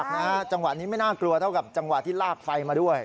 นะฮะจังหวะนี้ไม่น่ากลัวเท่ากับจังหวะที่ลากไฟมาด้วย